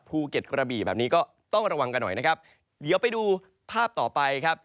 กระบี่แบบนี้ก็ต้องระวังกันหน่อยนะครับเดี๋ยวไปดูภาพต่อไปครับ